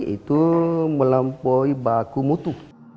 itu melempohi baku mutu